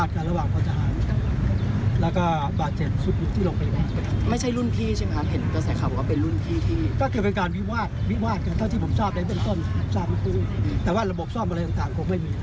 กระบบซ่อมอะไรต่างคงไม่มี